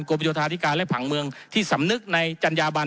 โยธาธิการและผังเมืองที่สำนึกในจัญญาบัน